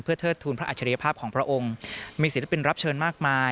เทิดทูลพระอัจฉริยภาพของพระองค์มีศิลปินรับเชิญมากมาย